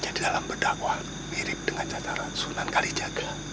jadi dalam berdakwah mirip dengan cacara sunan kalijaga